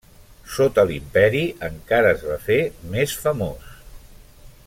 Sota l'imperi encara es va fer més famós.